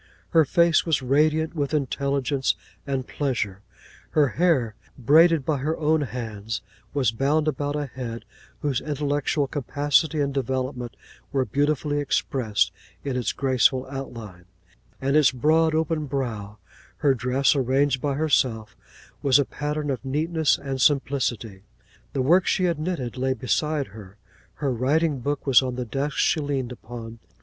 Her face was radiant with intelligence and pleasure. Her hair, braided by her own hands, was bound about a head, whose intellectual capacity and development were beautifully expressed in its graceful outline, and its broad open brow; her dress, arranged by herself, was a pattern of neatness and simplicity; the work she had knitted, lay beside her; her writing book was on the desk she leaned upon.